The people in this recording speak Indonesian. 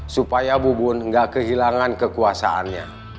supaya bubun tidak kehilangan kekuasaannya